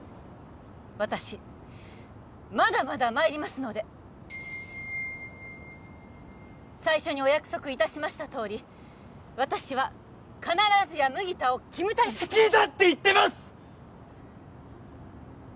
私まだまだまいりますので最初にお約束いたしましたとおり私は必ずや麦田をキムタヤ好きだって言ってます！